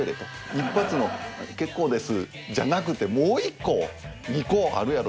一発の「結構です」じゃなくてもう１個２個あるやろ。